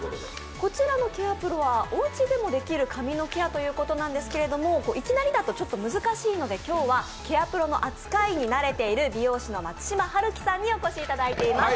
こちらのＣＡＲＥＰＲＯはおうちでもできる髪のケアということですけれどもいきなりだとちょっと難しいので今日はＣＡＲＥＰＲＯの扱いに慣れている美容師の松島春樹さんにお越しいただいています。